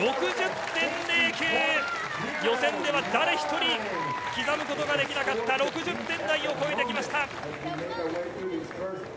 予選では誰一人刻むことができなかった６０点台を超えてきました！